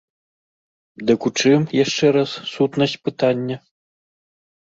Дык у чым, яшчэ раз, сутнасць пытання?